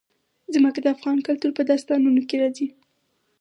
ځمکه د افغان کلتور په داستانونو کې راځي.